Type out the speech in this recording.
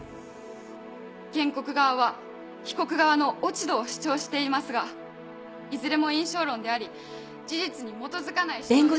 原告側は被告側の落ち度を主張していますがいずれも印象論であり事実に基づかない主張です。